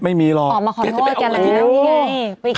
ไม่มีหรอกไม่มีหรอก